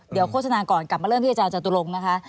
เดี๋ยวโฆษณาก่อนกลับมาเริ่มที่อาจารย์จตุรงค์นะคะ